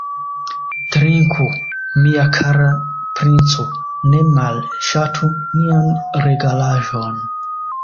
Trinku, mia kara princo, ne malŝatu nian regalaĵon!